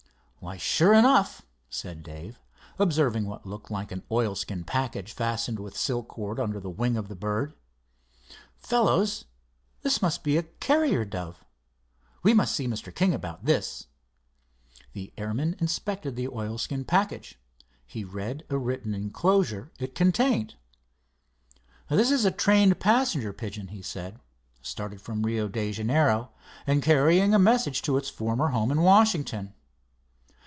"Why, sure enough," said Dave, observing what looked like an oilskin package fastened with silk cord under the wing of the bird. "Fellows, this must be a carrier dove. We must see Mr. King about this." The airman inspected the oilskin package. He read a written enclosure it contained. "This is a trained passenger pigeon," he said. "Started from Rio de Janeiro and carrying a message to its former home in Washington.